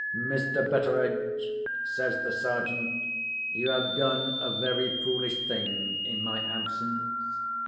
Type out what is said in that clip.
"Mr. Betteredge," says the Sergeant, "you have done a very foolish thing in my absence.